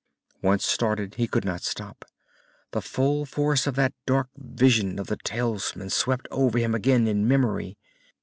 Once started, he could not stop. The full force of that dark vision of the talisman swept over him again in memory.